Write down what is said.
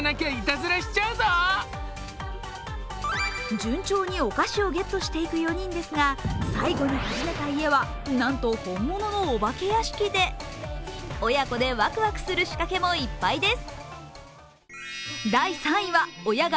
順調にお菓子をゲットしていく４人ですが最後に訪ねた家は、なんと本物のお化け屋敷で親子でワクワクする仕掛けもいっぱいです。